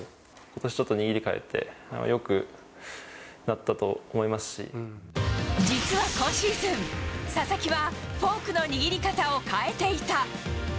ことしちょっと握り変えて、実は今シーズン、佐々木はフォークの握り方を変えていた。